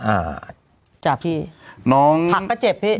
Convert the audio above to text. อ่าจับพี่ผักก็เจ็บพี่